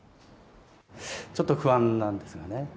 ちょっと不安なんですよね。